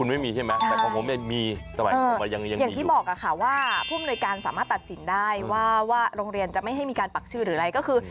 ไม่มีใช่ไหมแต่ของผมเนี่ยมีสมัยผมอย่างที่บอกค่ะว่าผู้อำนวยการสามารถตัดสินได้ว่าโรงเรียนจะไม่ให้มีการปักชื่อหรืออะไรก็คือ